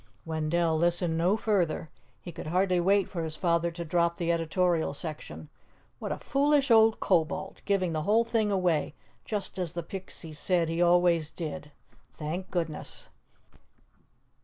Wendell listened no further. He could hardly wait for his father to drop the editorial section. What a foolish old Kobold! giving the whole thing away, just as the Pixie said he always did. Thank goodness!